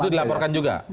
itu dilaporkan juga